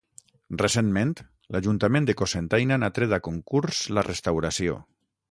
Recentment, l'ajuntament de Cocentaina n'ha tret a concurs la restauració.